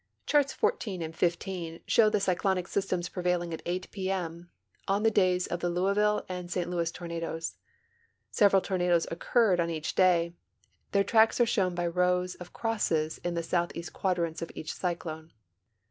Charts XIV and XV show the cyclonic systems prevailing at 8 p. m. on the days of the Louisville and St Louis tornadoes. Several tornadoes occurred on each day; their tracks are shown by rows of crosses in the southeast quadrants of each cyclone.